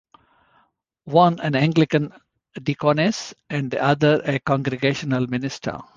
One an Anglican Deaconess and the other a Congregational Minister.